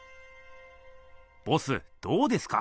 ボスどうですか？